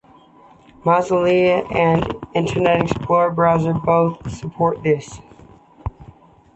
Mozilla and Internet Explorer browsers both support this.